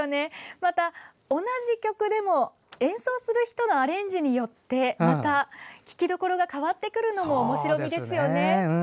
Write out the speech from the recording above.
また同じ曲でも演奏する人のアレンジによってまた聞きどころが変わってくるのもおもしろみですね。